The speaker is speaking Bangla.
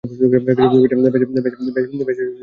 বেশ, তা সামলে নেয়া যাবে।